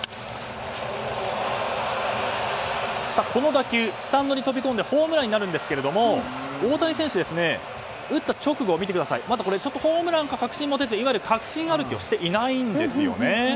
この打球、スタンドに飛び込んでホームランになるんですけども大谷選手、打った直後まだホームランか確信を持てずいわゆる確信歩きをしていないんですよね。